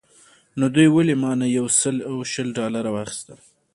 نو دوی ولې مانه یو سل او شل ډالره واخیستل.